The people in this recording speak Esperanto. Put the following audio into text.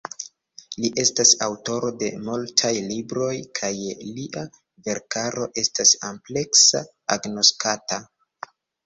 Li estas aŭtoro de multaj libroj, kaj lia verkaro estas ampleksa agnoskata.